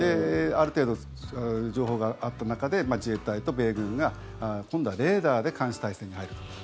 ある程度、情報があった中で自衛隊と米軍が今度はレーダーで監視体制に入ると。